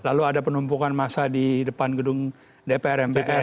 lalu ada penumpukan massa di depan gedung dpr mpr